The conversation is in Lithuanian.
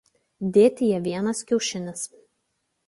Dėtyje vienas kiaušinis.